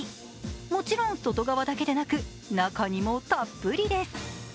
もちろん外側だけでなく中にもたっぷりです。